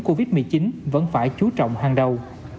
covid một mươi chín vẫn phải chú trọng hàng đầu